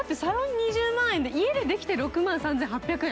２０万円で、家でできて６万３８００円。